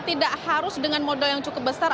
tidak harus dengan modal yang cukup besar